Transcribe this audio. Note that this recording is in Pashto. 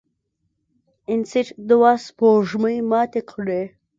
انیسټ دوه سپوږمۍ ماتې کړې.